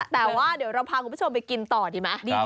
แต่ว่าเดี๋ยวเราพาคุณผู้ชมไปกินต่อดีไหม